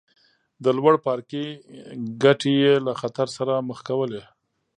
د لوړ پاړکي ګټې یې له خطر سره مخ کولې.